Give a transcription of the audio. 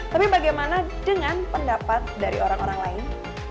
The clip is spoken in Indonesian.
tapi bagaimana dengan pendapat dari orang orang lain